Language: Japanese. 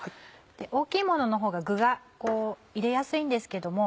大きいもののほうが具が入れやすいんですけども。